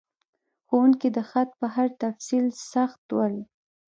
ښوونکي د خط په هر تفصیل سخت ول.